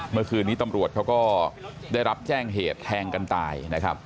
เมื่อคืนนี้ตำรวจเขาก็ได้รับแจ้งเหตุแทงกันตายนะครับ